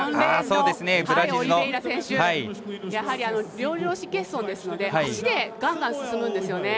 やはり両上肢欠損ですので足でガンガン進むんですよね。